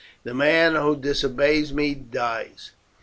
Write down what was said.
The man who disobeys me dies.